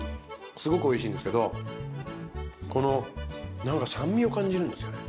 すごくおいしいんですけどこの何か酸味を感じるんですよね。